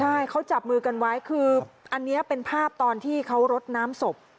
ใช่เขาจับมือกันไว้คืออันนี้เป็นภาพตอนที่เขารดน้ำศพ